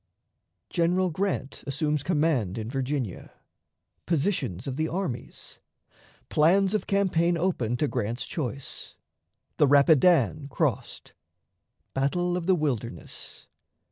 General Grant assumes Command in Virginia. Positions of the Armies. Plans of Campaign open to Grant's Choice. The Rapidan crossed. Battle of the Wilderness.